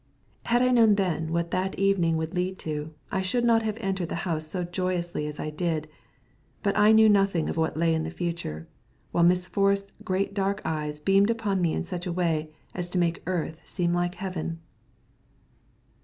Had I known then what that evening would lead to, I should not have entered the house so joyously as I did; but I knew nothing of what lay in the future, while Miss Forrest's great dark eyes beamed upon me in such a way as to make earth seem like heaven.